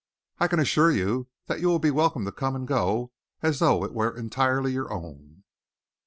I can assure you that you will be welcome to come and go as though it were entirely your own."